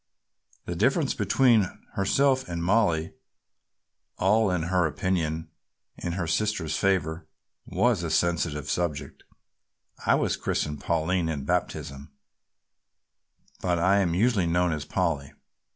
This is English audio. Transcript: The difference between herself and Mollie, all in her opinion in her sister's favor, was a sensitive subject. "I was christened Pauline in baptism but I am usually known as Polly.